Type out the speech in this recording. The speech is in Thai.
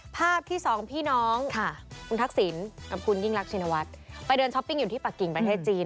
ภาพที่สองพี่น้องคุณทักษิณกับคุณยิ่งรักชินวัฒน์ไปเดินช้อปปิ้งอยู่ที่ปากกิ่งประเทศจีน